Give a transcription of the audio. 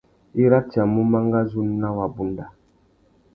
I ratiamú mangazú nà wabunda.